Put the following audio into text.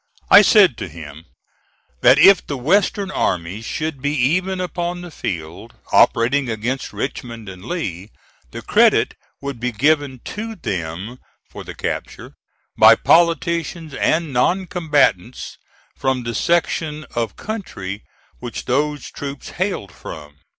I said to him that if the Western armies should be even upon the field, operating against Richmond and Lee, the credit would be given to them for the capture, by politicians and non combatants from the section of country which those troops hailed from.